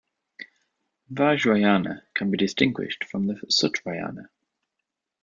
Vajrayana can be distinguished from the Sutrayana.